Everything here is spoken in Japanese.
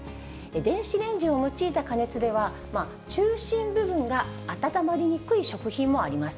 電子レンジを用いた加熱では、中心部分が温まりにくい食品もあります。